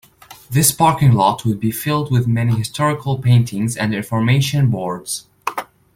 This parking lot would be filled with many historical paintings and information boards.